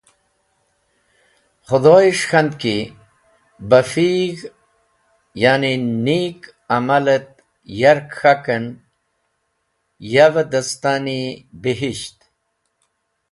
Khũdhoyes̃h k̃hand ki bafig̃h, ya’ni nik amal et yark k̃hak en yav dẽstani bihisht.